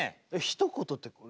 ひと言って何？